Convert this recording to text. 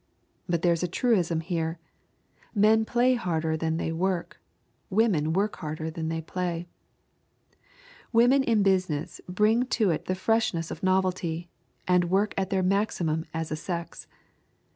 But there's a truism here: Men play harder than they work; women work harder than they play. Women in business bring to it the freshness of novelty, and work at their maximum as a sex.